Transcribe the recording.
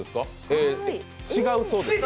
違うそうです。